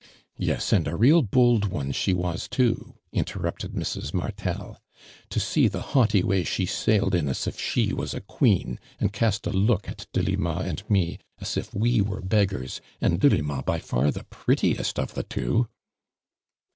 '''• Yes, and a real bold one she was too !" interrupted Mrs. Martel. " To see the haughty way she sailed in as if she was a queen and cast a look at Delima and mc, as if we were beggars, and Delima by far the prettiest of the two."